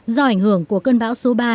do ảnh hưởng của cơn bão số ba